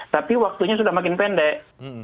tapi waktunya sudah makin pendek